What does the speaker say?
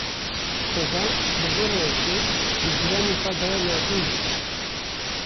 Kurdan bi vê rewşê bi cîranên xwe daye nasîn jî.